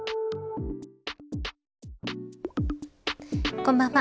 こんばんは。